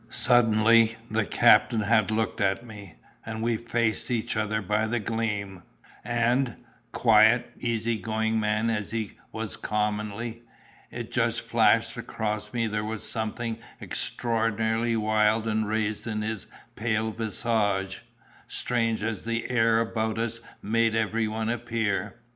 Suddenly, the captain had looked at me, and we faced each other by the gleam; and, quiet, easy going man as he was commonly, it just flashed across me there was something extraordinarily wild and raised in his pale visage, strange as the air about us made everyone appear.